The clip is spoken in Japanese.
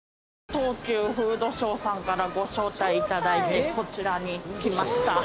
東急フードショーさんからご招待いただいてこちらに来ました。